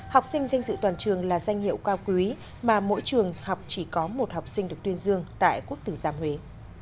học sinh danh dự toàn trường là danh hiệu cao quý mà mỗi trường học chỉ có một học sinh được tuyên dương tại quốc tử giám huế